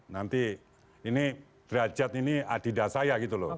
nanti ini derajat ini adida saya gitu loh